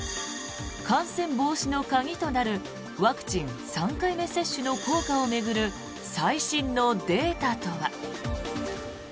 感染防止の鍵となるワクチン３回目接種の効果を巡る最新のデータとは。